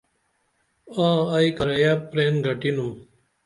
آں، ائی کِرییہ پِرین گٹینُم